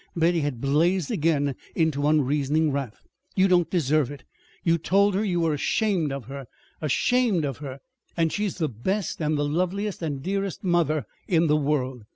Betty had blazed again into unreasoning wrath. "You don't deserve it. You told her you were ashamed of her. Ashamed of her! And she's the best and the loveliest and dearest mother in the world!